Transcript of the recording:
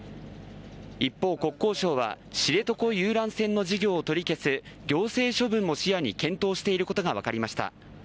一方、国交省は知床遊覧船の事業を取り消す行政処分も視野に検討していることが分かりました。